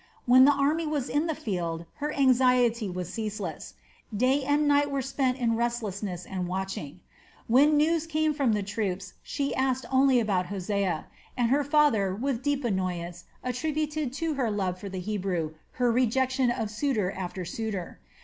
When the army was in the field her anxiety was ceaseless; day and night were spent in restlessness and watching. When news came from the troops she asked only about Hosea, and her father with deep annoyance attributed to her love for the Hebrew her rejection of suitor after suitor.